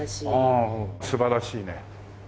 ああ素晴らしいね。